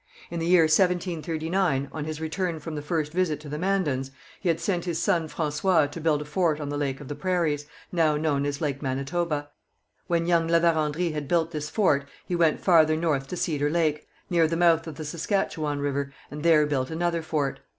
In the year 1739, on his return from the first visit to the Mandans, he had sent his son François to build a fort on the Lake of the Prairies, now known as Lake Manitoba. When young La Vérendrye had built this fort, he went farther north to Cedar Lake, near the mouth of the Saskatchewan river, and there built another fort.